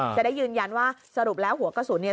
จะได้ยืนยันว่าสรุปแล้วหัวกระสุนเนี่ย